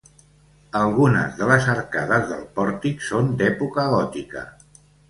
Algunes de les arcades del pòrtic són d'època gòtica.